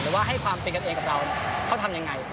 แต่ว่าให้ความเป็นกันเองกับเราเขาทำยังไง